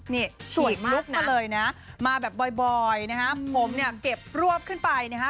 นี่ฉีกลุคมาเลยนะมาแบบบ่อยนะฮะผมเนี่ยเก็บรวบขึ้นไปนะฮะ